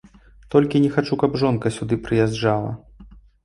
Толькі не хачу, каб жонка сюды прыязджала.